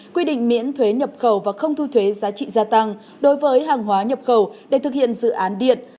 quy định miễn thuế nhập khẩu và không thu thuế giá trị gia tăng đối với hàng hóa nhập khẩu để thực hiện dự án điện